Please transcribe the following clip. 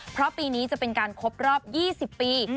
เพราะปีนี้จะเป็นการครบรอบ๒๐ปี